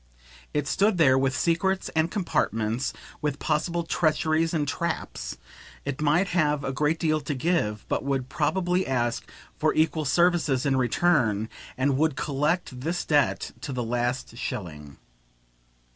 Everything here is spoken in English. It stood there with secrets and compartments, with possible treacheries and traps; it might have a great deal to give, but would probably ask for equal services in return, and would collect this debt to the last shilling.